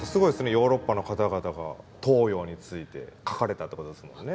ヨーロッパの方々が東洋について書かれたってことですもんね。